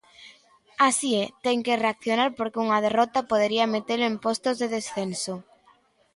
Así é, ten que reaccionar porque unha derrota podería metelo en postos de descenso.